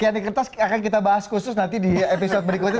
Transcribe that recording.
ya di kertas akan kita bahas khusus nanti di episode berikutnya